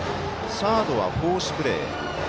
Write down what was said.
サードはフォースプレー。